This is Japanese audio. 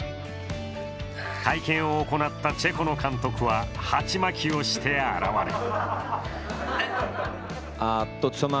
会見を行ったチェコの監督は、鉢巻きをして現れた。